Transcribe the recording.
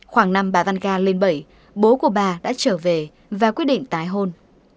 khoảng năm bà vanga lên bẫy bố của bà đã trở về và quyết định tái hôn